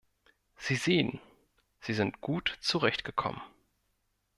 Sie sehen, Sie sind gut zurechtgekommen.